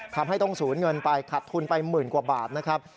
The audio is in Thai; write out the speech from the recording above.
ทำให้ต้องสูญเงินไปขัดทุนไปหมื่นกว่าบาทนะครับ